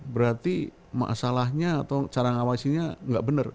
berarti masalahnya atau cara ngawasinya gak bener